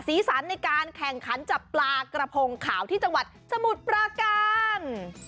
สันในการแข่งขันจับปลากระพงขาวที่จังหวัดสมุทรปราการ